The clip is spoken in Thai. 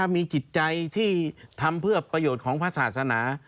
มีจิตใจที่ทำเพื่อประโยชน์ของพระศาสนา